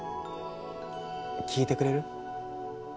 聴いてくれる？